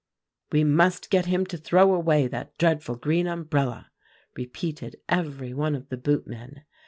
"'We must get him to throw away that dreadful green umbrella,' repeated every one of the boot men.